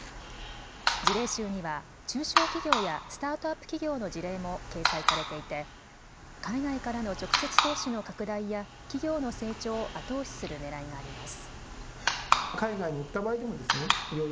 事例集には中小企業やスタートアップ企業の事例も掲載されていて海外からの直接投資の拡大や企業の成長を後押しするねらいがあります。